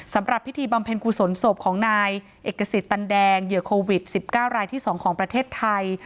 สำหรับพิธีบำเพ็ญกุศลศพของนายเอกสิทธิ์ตันแดงเหยื่อโควิด๑๙รายที่๒ของประเทศไทย